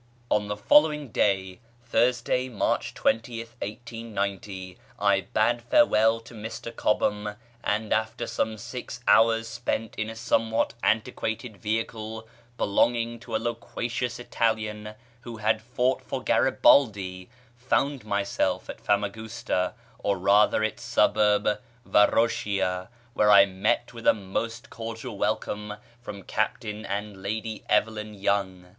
On the following day (Thursday, March 20th, 1890) I bade farewell to Mr Cobham, and, after some six hours spent in a somewhat antiquated vehicle belonging to a loquacious Italian who had fought for Garibaldi, found myself at Famagusta, or rather its suburb Varoshia, where I met with a most cordial welcome from Captain and Lady Evelyn Young.